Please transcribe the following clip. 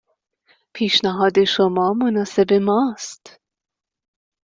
پیشنهاد شما مناسب ما است.